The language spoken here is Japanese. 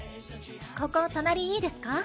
・ここ隣いいですか？